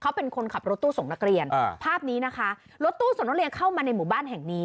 เขาเป็นคนขับรถตู้ส่งนักเรียนอ่าภาพนี้นะคะรถตู้ส่งนักเรียนเข้ามาในหมู่บ้านแห่งนี้